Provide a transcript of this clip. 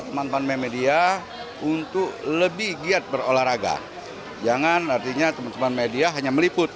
teman teman media untuk lebih giat berolahraga jangan artinya teman teman media hanya meliput